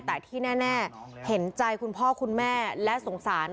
แต่ที่แน่เห็นใจคุณพ่อคุณแม่และสงสาร